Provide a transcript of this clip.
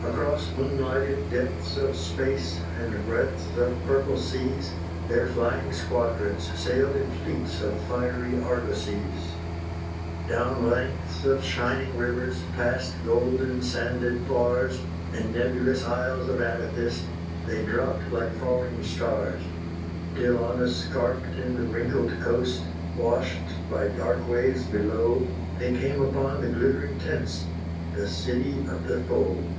Across moon lighted depths of space, And breadths of purple seas, Their flying squadrons sailed in fleets, Of fiery argosies: Down lengths of shining rivers, Past golden sanded bars, And nebulous isles of amethyst, They dropt like falling stars: Till on a scarped and wrinkled coast, Washed by dark waves below, They came upon the glittering tents The city of the foe.